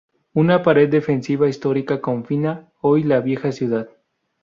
Una pared defensiva histórica confina hoy la vieja ciudad.